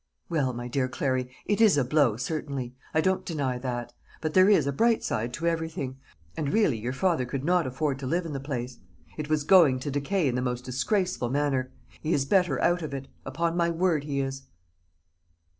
"Well, my dear Clary, it is a blow, certainly; I don't deny that. But there is a bright side to everything; and really your father could not afford to live in the place. It was going to decay in the most disgraceful manner. He is better out of it; upon my word he is."